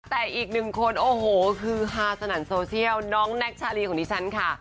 แต่อีกหนึ่งคนโอ้โหฮือฮาสนั่นโซเชียลน้องแน็กชาลีของดิฉันค่ะ